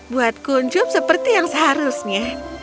buat kuncup seperti yang seharusnya